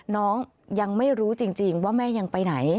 น้องยังไม่รู้จริงว่าแม่ยังไปไหน